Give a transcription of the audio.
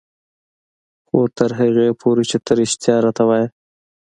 خو تر هغې پورې چې ته رښتيا راته وايې.